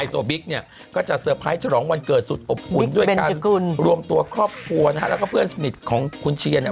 จากเฉารางว่าก็เกิดสุดอบฝุ่นนี้